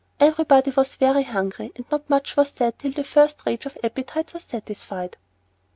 Every body was very hungry, and not much was said till the first rage of appetite was satisfied.